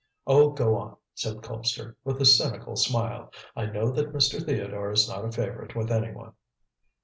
"Oh, go on," said Colpster, with a cynical smile. "I know that Mr. Theodore is not a favourite with anyone."